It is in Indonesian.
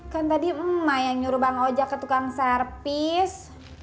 kan tadi emak yang nyuruh bang oja ke tukang servis